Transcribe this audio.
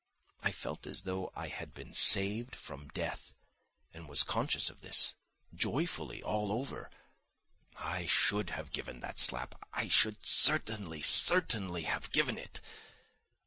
I felt as though I had been saved from death and was conscious of this, joyfully, all over: I should have given that slap, I should certainly, certainly have given it!